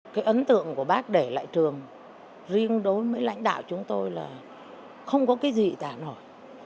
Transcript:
cái ấn tượng của bác để lại trường riêng đối với lãnh đạo chúng tôi là không có cái gì tản hồi